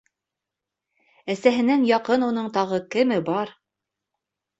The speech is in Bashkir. Әсәһенән яҡын уның тағы кеме бар?